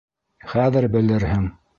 Хәҙер белерһең.